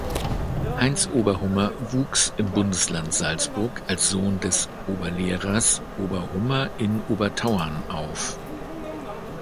Heinz Oberhummer wuchs im Bundesland Salzburg als Sohn des „Oberlehrers Oberhummer in Obertauern“ auf.